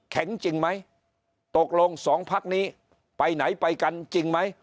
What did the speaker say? จริงไหมตกลงสองพักนี้ไปไหนไปกันจริงไหม